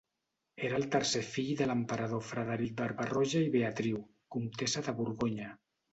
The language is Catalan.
Era el tercer fill de l'emperador Frederic Barba-roja i Beatriu, comtessa de Borgonya.